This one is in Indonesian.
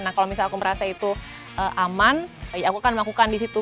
nah kalau misalnya aku merasa itu aman ya aku akan melakukan di situ